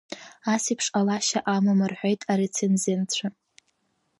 Асеиԥш ҟалашьа амам рҳәеит арецензентцәа.